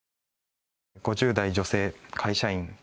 ５０代女性会社員。